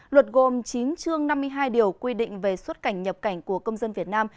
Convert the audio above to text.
luật gồm chín chương năm mươi hai điều quy định về xuất cảnh nhập cảnh của công dân việt nam